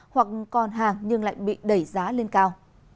hoặc còn hàng nhưng lại bị đẩy giá lên cao